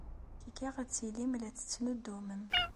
Cikkeɣ ad tilim la tettnuddumem.